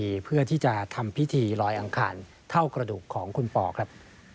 เพื่อที่จะทำพิธีลอยอังคารเท่ากระดูกของคุณปอครับ